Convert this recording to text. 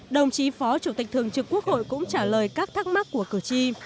đồng chí phó chủ tịch thường trực quốc hội cũng trả lời các thắc mắc của cử tri